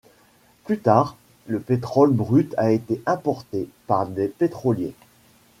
Plus tard, le pétrole brut a été importé par des pétroliers.